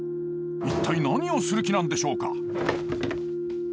一体何をする気なんでしょうか？